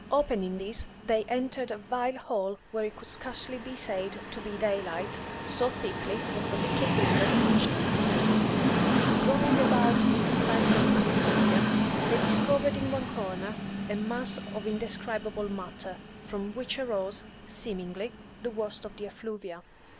Opening this, they entered a vile hole where it could scarcely be said to be daylight, so thickly was the little window patched with filth. Groping about in the stifling atmosphere, they discovered in one corner a mass of indescribable matter, from which arose, seemingly, the worst of the effluvia.